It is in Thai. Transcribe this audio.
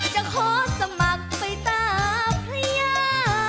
จะขอสมัครไปตามพระยา